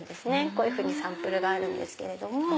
こういうふうにサンプルがあるんですけれども。